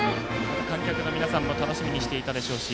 観客の皆さんも楽しみにしていたでしょうし